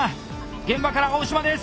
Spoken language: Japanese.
現場から青島です！